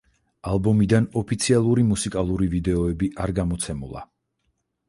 ალბომიდან ოფიციალური მუსიკალური ვიდეოები არ გამოცემულა.